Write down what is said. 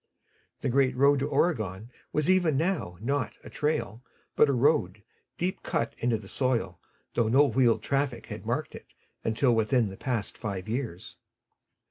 The great road to Oregon was even now not a trail but a road, deep cut into the soil, though no wheeled traffic had marked it until within the past five years.